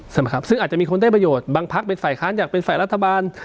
ครับซึ่งอาจจะมีคนได้ประโยชน์บางพักเป็นฝ่ายค้านอยากเป็นฝ่ายรัฐบาล